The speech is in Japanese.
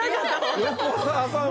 横澤さん